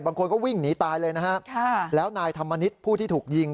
บางคนก็วิ่งหนีตายเลยนะฮะแล้วนายธรรมนิษฐ์ผู้ที่ถูกยิง